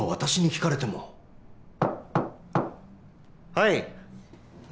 はい。